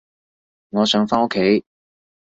我想返屋企